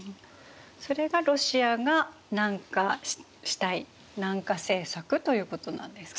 それがロシアが南下したい南下政策ということなんですか？